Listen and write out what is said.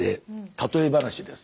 例え話です。